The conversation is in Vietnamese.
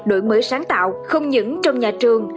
đổi mới sáng tạo không những trong nhà trường